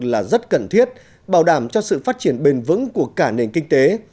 là rất cần thiết bảo đảm cho sự phát triển bền vững của cả nền kinh tế